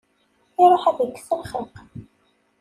Iruḥ ad ikkes lxiq.